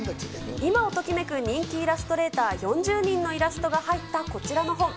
今をときめく人気イラストレーター４０人のイラストが入ったこちらの本。